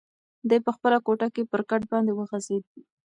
دی په خپله کوټه کې پر کټ باندې وغځېد.